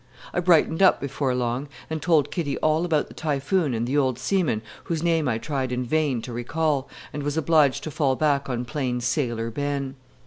I brightened up before long, and told Kitty all about the Typhoon and the old seaman, whose name I tried in vain to recall, and was obliged to fall back on plain Sailor Ben.